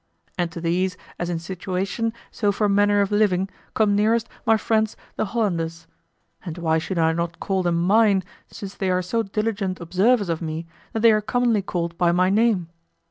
And to these, as in situation, so for manner of living, come nearest my friends the Hollanders. And why should I not call them mine, since they are so diligent observers of me that they are commonly called by my name?